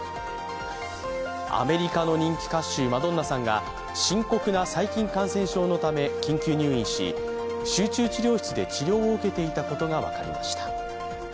アメリカの人気歌手マドンナさんが深刻な細菌感染症のため緊急入院し集中治療室で治療を受けていたことが分かりました。